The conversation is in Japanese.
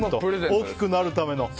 大きくなるための。